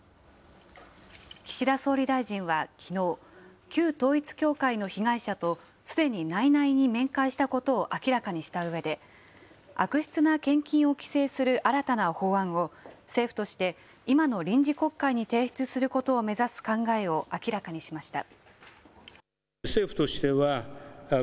岸田総理大臣はきのう、旧統一教会の被害者とすでに内々に面会したことを明らかにしたうえで、悪質な献金を規制する新たな法案を、政府として今の臨時国会に提出することを目指す考えを明らかにしました。